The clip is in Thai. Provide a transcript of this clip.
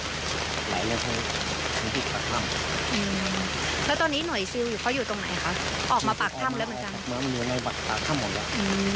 หน่วยซิลก็ออกมาที่ปากถ้ำแล้วเหมือนกันนะคะเพราะว่าเกรงว่าถ้าอยู่ข้างในเนี่ยน้ำมันจะเพิ่มระดับขึ้นเรื่อย